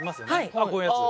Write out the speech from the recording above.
こういうやつ。